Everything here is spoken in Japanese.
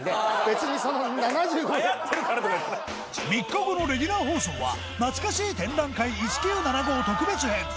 ３日後のレギュラー放送はなつかしー展覧会１９７５特別編